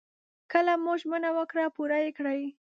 کله مو ژمنه وکړه پوره يې کړئ.